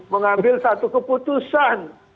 mengambil satu keputusan